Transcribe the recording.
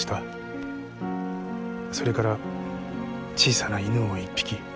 それから小さな犬を１匹。